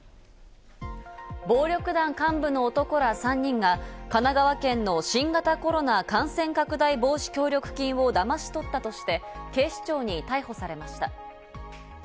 暴力団幹部の男ら３人が神奈川県の新型コロナ感染拡大防止協力金をだまし取ったとして、警視庁に逮捕されました。